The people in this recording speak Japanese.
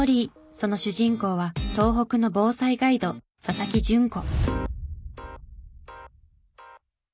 その主人公は東北の防災ガイド佐々木純子。